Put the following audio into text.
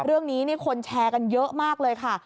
เรื่องนี้คนแชร์กันเยอะมากเลยค่ะ